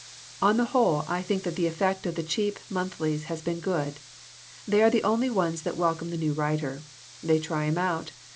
"On the whole, I think that the effect of the cheap monthlies has been good. They are the only ones that welcome the new writer. They try him out.